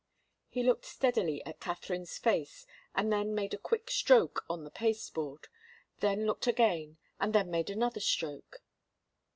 He looked steadily at Katharine's face and then made a quick stroke on the pasteboard, then looked again and then made another stroke.